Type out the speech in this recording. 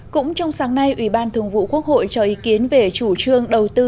cũng trong sáng nay ủy ban thường vụ quốc hội cho ý kiến về chủ trương đầu tư